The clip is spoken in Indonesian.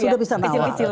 sudah bisa menawar